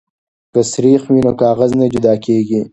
که سريښ وي نو کاغذ نه جدا کیږي.